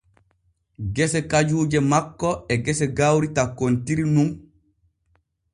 Gese kajuuje makko e gese gawri takkontiri nun.